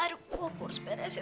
aduh gue poros beres ya